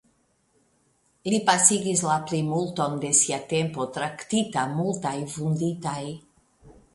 Li pasigis la plimulton de sia tempo traktita multaj vunditaj.